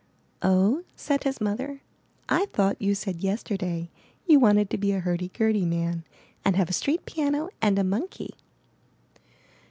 *'0h," said his mother, "I thought you said yes terday you wanted to be a hurdy gurdy man and have a street piano and a monkey."